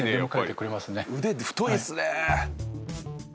腕太いっすね。